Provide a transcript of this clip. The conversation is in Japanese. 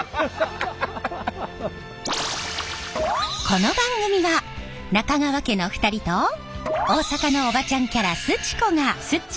この番組は中川家の２人と大阪のおばちゃんキャラすち子が